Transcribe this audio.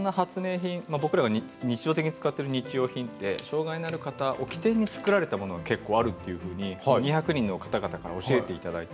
品僕らが日常的に使っている日用品って障害のある方を起点に作られたものが結構あると２００人の方々から教えていただいて。